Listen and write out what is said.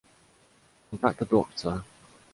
Contact the doctor!